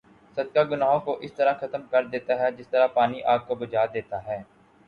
صدقہ گناہوں کو اس طرح ختم کر دیتا ہے جس طرح پانی آگ کو بھجا دیتا ہے